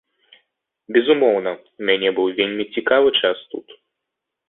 Безумоўна, у мяне быў вельмі цікавы час тут.